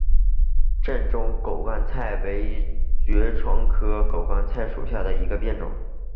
滇中狗肝菜为爵床科狗肝菜属下的一个变种。